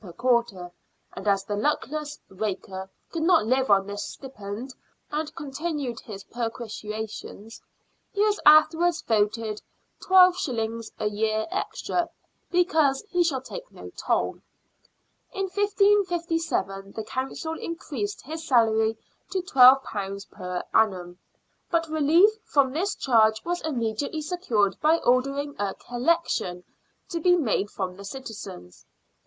per quarter, and as the luckless " raker " could not live on this stipend and continued his perquisi tions, he was afterwards voted 12s. a year extra " because he shall take no toll." In 1557 the Council increased his salary to £12 per annum, but relief from this charge was immediately secured by ordering a " collection " to be made from the citizens.